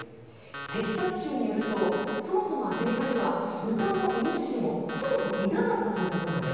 テキサス州によるとそもそもアメリカには豚もイノシシもそもそもいなかったということなんです。